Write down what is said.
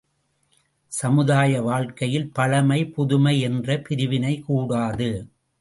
சமுதாய வாழ்க்கையில் பழைமை, புதுமை என்ற பிரிவினை கூடாது.